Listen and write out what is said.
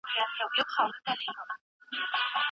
موږ باید د خپلو طبیعي ځنګلونو ساتنه په پوره ډول وکړو.